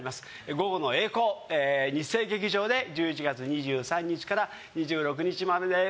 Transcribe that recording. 「午後の曳航」日生劇場で１１月２３日から２６日までです。